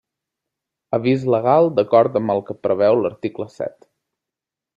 Avís legal d'acord amb el que preveu l'article set.